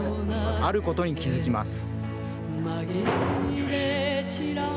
あることに気付きます。